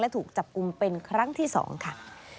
ถูกจับกลุ่มเป็นครั้งที่๒ค่ะ